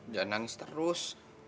jangan nangis terus